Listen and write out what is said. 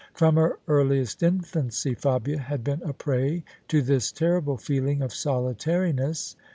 From her earliest infancy Fabia had been a prey to this terrible feeling of solitariness.